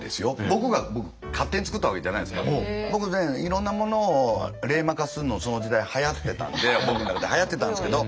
僕が勝手に作ったわけじゃないんですけど僕ねいろんなものを冷マ化するのその時代はやってたんで僕の中ではやってたんですけど。